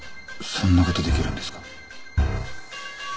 そんな事出来るんですか？